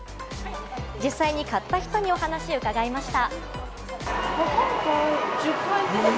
実際に買った人にお話、伺いました。